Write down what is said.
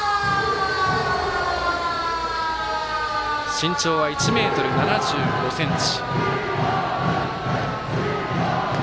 身長は１ｍ７５ｃｍ。